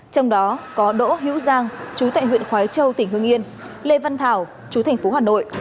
trong đó có đỗ hữu giang chú tại huyện khói châu tỉnh hương yên lê văn thảo chú thành phố hà nội